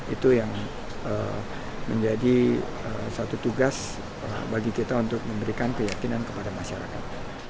itu yang menjadi satu tugas bagi kita untuk memberikan keyakinan kepada masyarakat